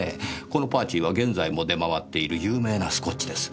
この「パーチー」は現在も出回っている有名なスコッチです。